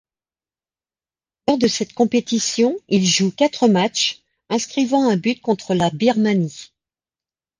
Lors de cette compétition, il joue quatre matchs, inscrivant un but contre la Birmanie.